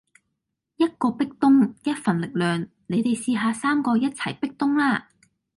一個壁咚一份力量，你哋試吓三個一齊壁咚啦